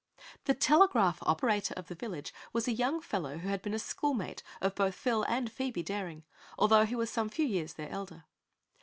The telegraph operator of the village was a young fellow who had been a schoolmate of both Phil and Phoebe Daring, although he was some few years their elder.